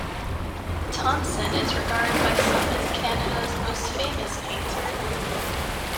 Thomson is regarded by some as Canada's most famous painter.